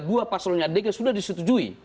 dua paslon yang dekat sudah disetujui